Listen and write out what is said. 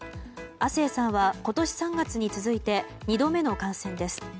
亜生さんは今年３月に続いて２度目の感染です。